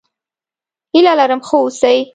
هيله لرم ښه اوسې!